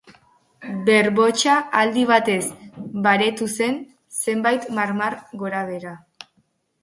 Berbotsa aldi batez baretu zen, zenbait marmar gorabehera.